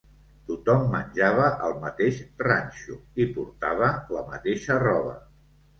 Tothom menjava el mateix ranxo i portava la mateixa roba